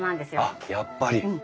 あっやっぱり。